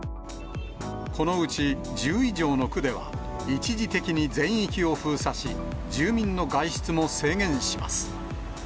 このうち１０以上の区では、一時的に全域を封鎖し、住民の外出も制限します。